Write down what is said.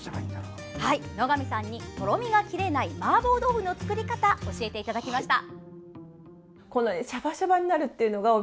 野上さんにとろみがきれないマーボー豆腐の作り方を教えてもらいました。